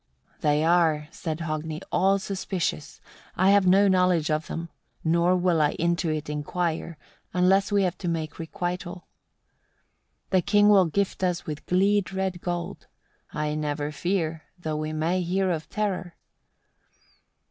" 13. "They are," said Hogni, "all suspicious; I have no knowledge of them, nor will I into it inquire, unless we have to make requital. The king will gift us with gleed red gold. I never fear, though we may hear of terror."